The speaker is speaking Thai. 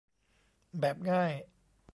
แบบง่าย